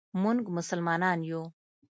مونږ مسلمانان یو.